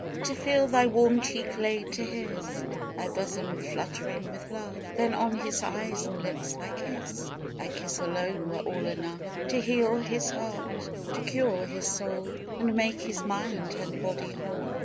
To feel thy warm cheek laid to his; Thy bosom fluttering with love; Then on his eyes and lips thy kiss Thy kiss alone were all enough To heal his heart, to cure his soul, And make his mind and body whole.